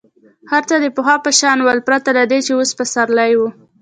هر څه د پخوا په شان ول پرته له دې چې اوس پسرلی وو.